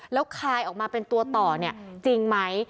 แล้วคายออกมาเป็นตัวต่อเนี่ยจริงไหม